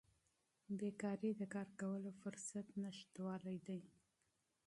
بیکاري د کار کولو فرصت نشتوالی دی.